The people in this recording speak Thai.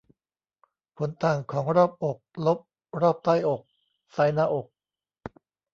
ผลต่างของรอบอก ลบ รอบใต้อก ไซซ์หน้าอก